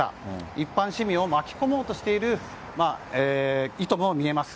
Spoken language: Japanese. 一般市民を巻き込もうとしている意図も見えます。